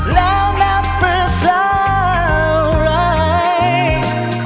และนับประสาทรายกับใจคน